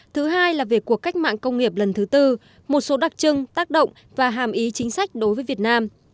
thứ hai là về cuộc cách mạng công nghiệp lần thứ tư một số đặc trưng tác động và hàm ý chính sách đối với việt nam